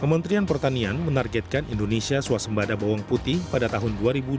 kementerian pertanian menargetkan indonesia swasembada bawang putih pada tahun dua ribu dua puluh